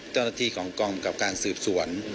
เจ้าหน้าที่ของกองกับการสืบสวน